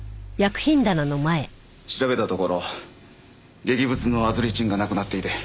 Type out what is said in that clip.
調べたところ劇物のアズリチンがなくなっていて。